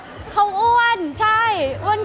คือบอกเลยว่าเป็นครั้งแรกในชีวิตจิ๊บนะ